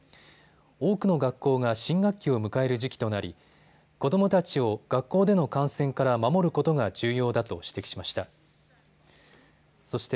多くの学校が新学期を迎える時期となり子どもたちを学校での感染から守ることが重要だと指摘しました。